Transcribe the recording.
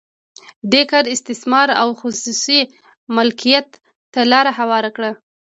دې کار استثمار او خصوصي مالکیت ته لار هواره کړه.